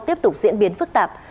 tiếp tục diễn biến phức tạp